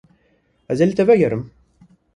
Ez ê li te vegerim.